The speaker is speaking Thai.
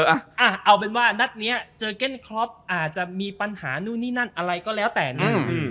เอาเป็นว่านัดนี้เจอเก้นคล็อปอาจจะมีปัญหานู่นนี่นั่นอะไรก็แล้วแต่นะ